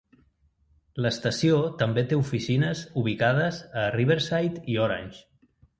L'estació també té oficines ubicades a Riverside i Orange.